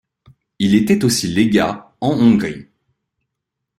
Il est aussi légat en Hongrie.